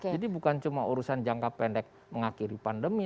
jadi bukan cuma urusan jangka pendek mengakhiri pandemi